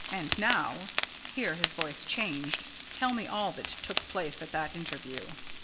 And now," here his voice changed, "tell me all that took place at that interview.